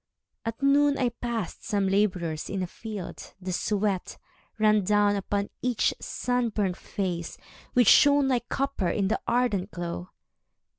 At noon I passed some labourers in a field. The sweat ran down upon each sunburnt face, Which shone like copper in the ardent glow.